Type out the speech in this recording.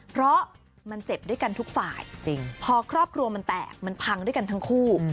เพราะมันเจ็บด้วยกันทุกฝ่ายพอครอบครัวมันแตกมันพังด้วยกันทั้งคู่